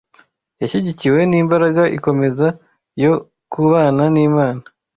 yashyigikiwe n’imbaraga ikomeza yo kubana n’Imana